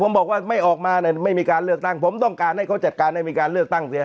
ผมบอกว่าไม่ออกมาไม่มีการเลือกตั้งผมต้องการให้เขาจัดการให้มีการเลือกตั้งเสีย